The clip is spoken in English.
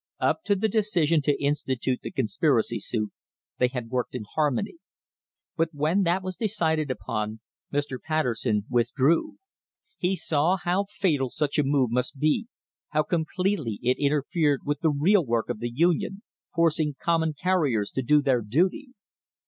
Up to the decision to institute the conspiracy suit they had worked in harmony. But when that was decided upon Mr. Patterson withdrew. He saw how fatal such a move must be, how completely it interfered with the real work of the Union, forcing common carriers to do their duty.